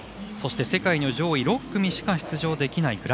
そして世界の上位６組しか出場できない